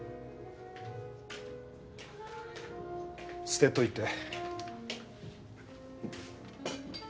・捨てといて。